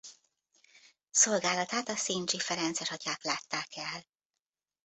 Szolgálatát a sinji ferences atyák látták el.